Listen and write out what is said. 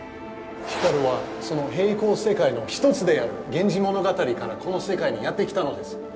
光はその平行世界の一つである「源氏物語」からこの世界にやって来たのです。